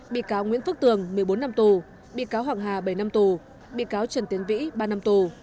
bị cáo nguyễn phước tường một mươi bốn năm tù bị cáo hoàng hà bảy năm tù bị cáo trần tiến vĩ ba năm tù